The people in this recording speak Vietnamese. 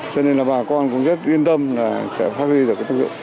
cho nên là bà con cũng rất yên tâm là sẽ phát huy được cái tâm lý